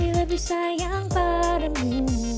lebih lebih sayang padamu